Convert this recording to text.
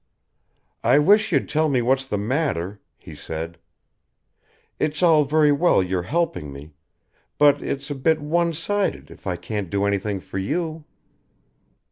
"I wish you'd tell me what's the matter," he said. "It's all very well your helping me, but it's a bit one sided if I can't do anything for you."